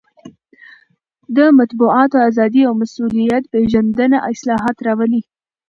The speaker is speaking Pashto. د مطبوعاتو ازادي او مسوولیت پېژندنه اصلاحات راولي.